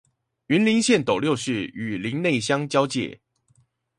雲林縣斗六市與林內鄉交界